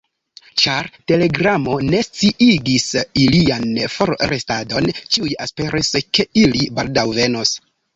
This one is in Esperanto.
Ĉar telegramo ne sciigis ilian forrestadon, ĉiuj esperis, ke ili baldaŭ venos.